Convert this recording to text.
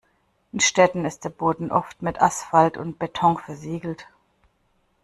In Städten ist der Boden oft mit Asphalt und Beton versiegelt.